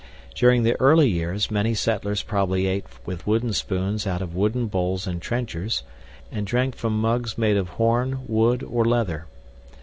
During the early years, many settlers probably ate with wooden spoons out of wooden bowls and trenchers, and drank from mugs made of horn, wood, or leather.